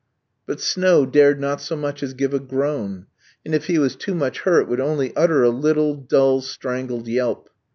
But Snow dared not so much as give a groan; and if he was too much hurt, would only utter a little, dull, strangled yelp.